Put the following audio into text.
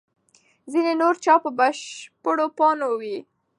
ځینې نور چای په بشپړو پاڼو وي.